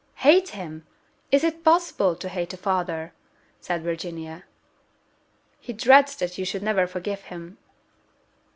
"Hate him! is it possible to hate a father?" said Virginia. "He dreads that you should never forgive him."